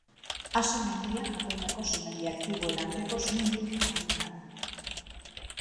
Aso mendia Japoniako sumendi aktiboen arteko sumendirik handiena da.